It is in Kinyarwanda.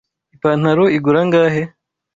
Ipantaro igura angahe?